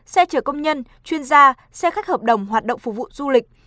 xe chở công nhân chuyên gia xe khách hợp đồng hoạt động phục vụ du lịch